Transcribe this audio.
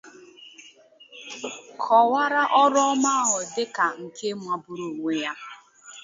kọwara ọrụ ọma ahụ dịka nke magburu onwe ya